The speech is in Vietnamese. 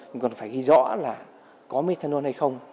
nhưng còn phải ghi rõ là có methanol hay không